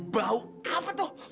bau apa tuh